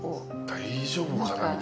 大丈夫かな？